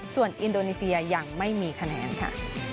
ส่วนอินโดนีเซียยังไม่มีคะแนนค่ะ